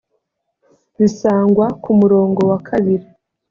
bisangwa ku murongo wa kabiri